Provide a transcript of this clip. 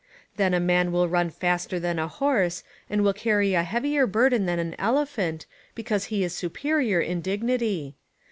Then a man will run faster than a horse, and will carry a heavier burden than an elephant, because he is superior in dignity